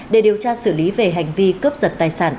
để điều tra xử lý về hành vi cướp giật tài sản